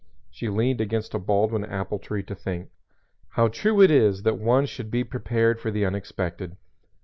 She leaned against a Baldwin apple tree to think. How true it is that one should be prepared for the unexpected.